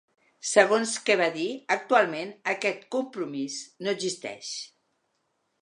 Segons que va dir, actualment aquest ‘compromís’ no existeix.